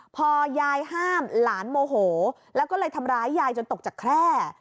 พอยายห้ามหลานโมโหแล้วก็เลยทำร้ายยายจนตกจากแคร่